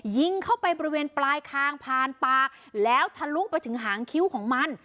ยิงเข้าไปบริเวณปลายคางผ่านปากแล้วทะลุไปถึงหางคิ้วของมัน